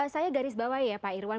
saya garis bawahi ya pak irwan